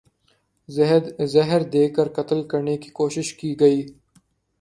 زہر دے کر قتل کرنے کی کوشش کی گئی